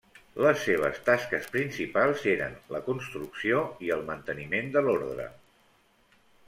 Les seves tasques principals eren la construcció i el manteniment de l'ordre.